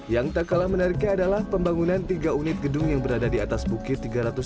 yang tak kalah menariknya adalah pembangunan tiga unit gedung yang berada di atas bukit tiga ratus tiga puluh